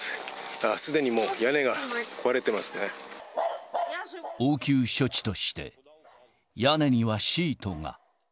ああ、すでにもう、屋根が壊れて応急処置として、屋根にはシートが。